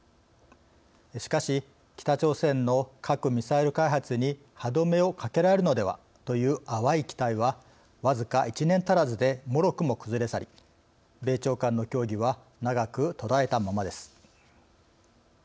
しかし北朝鮮の核・ミサイル開発に歯止めをかけられるのではという淡い期待はわずか１年足らずでもろくも崩れ去り米朝間の協議は長く途絶えたままです。